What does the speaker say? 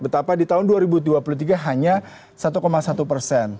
betapa di tahun dua ribu dua puluh tiga hanya satu satu persen